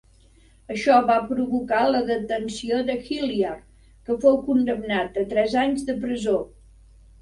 Això va provocar la detenció de Hilliard, que fou condemnat a tres anys de presó.